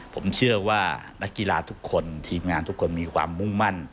ผมเชื่อว่านักกีฬาทุกคนทีมงานทุกคนมีความมุ่งมั่น